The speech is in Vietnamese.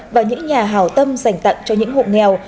và những nhà hào tâm dành tặng cho những hộ nghèo